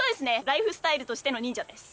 ライフスタイルとしての忍者です。